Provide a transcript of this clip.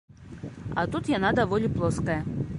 А тут яна даволі плоская.